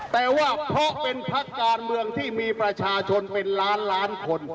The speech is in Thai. แต่ว่าเพราะเป็นพักการเมืองที่มีประชาชนเป็นล้านล้านคน